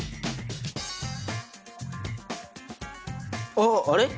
あっあれ？